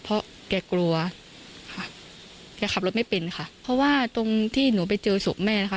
เพราะแกกลัวค่ะแกขับรถไม่เป็นค่ะเพราะว่าตรงที่หนูไปเจอศพแม่นะคะ